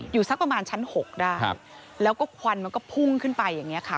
อยู่สักประมาณชั้น๖ได้แล้วก็ควันมันก็พุ่งขึ้นไปอย่างเนี่ยค่ะ